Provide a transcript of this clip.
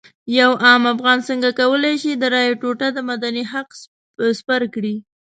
یو عام افغان څنګه کولی شي د رایې ټوټه د مدني حق سپر کړي.